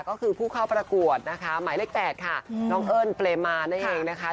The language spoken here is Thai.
ก็คือผู้เข้าประกวดนะคะหมายเลข๘ค่ะน้องเอิ้นเปรมมานั่นเองนะคะ